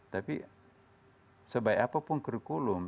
tapi sebaik apapun kurikulum